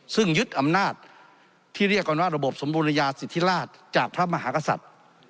ซึ่งยึดอำนาจที่เรียกกันว่าระบบสมบูรยาสิทธิราชจากพระมหากษัตริย์